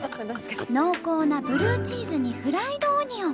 濃厚なブルーチーズにフライドオニオン。